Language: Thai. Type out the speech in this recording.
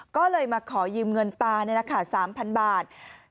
ก็เลยมาขอยืมเงินตา๓๐๐๐บาท